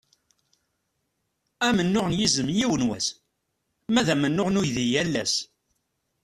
Amennuɣ n yizem yiwen wass, ma d amennuɣ n uydi yal ass.